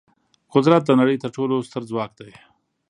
قدرت د نړۍ تر ټولو ستر ځواک دی.